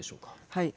はい。